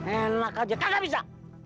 enak aja kakak bisa